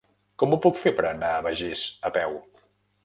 Com ho puc fer per anar a Begís a peu?